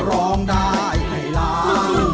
ร้องได้ให้ล้าน